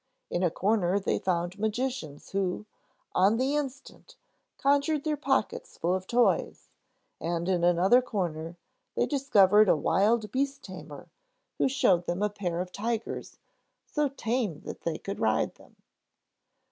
In a corner they found magicians who, on the instant, conjured their pockets full of toys; and in another corner they discovered a wild beast tamer who showed them a pair of tigers, so tame that they could ride them.